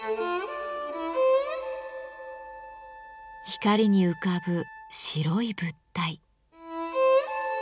光に浮かぶ白い物体。